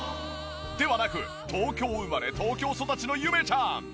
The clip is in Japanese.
ではなく東京生まれ東京育ちのゆめちゃん。